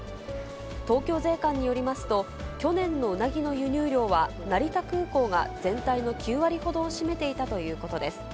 東京税関によりますと、去年のうなぎの輸入量は、成田空港が全体の９割ほどを占めていたということです。